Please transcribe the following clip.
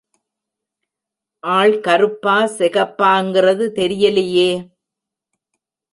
ஆள் கருப்பா செகப்பாங்கிறது தெரியலையே.